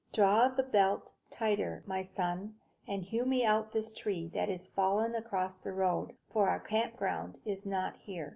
Draw the belt tighter, my son, and hew me out this tree that is fallen across the road, for our campground is not here."